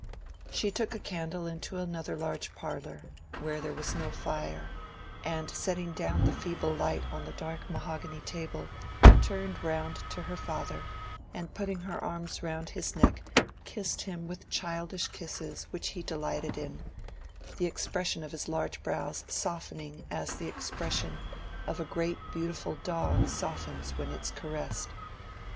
She took a candle into another large parlor, where there was no fire, and setting down the feeble light on the dark mahogany table, turned round to her father, and putting her arms round his neck kissed him with childish kisses which he delighted in,—the expression of his large brows softening as the expression of a great beautiful dog softens when it is caressed.